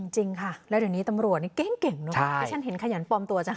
จริงค่ะแล้วเดี๋ยวนี้ตำรวจนี่เก่งเนอะที่ฉันเห็นขยันปลอมตัวจังค่ะ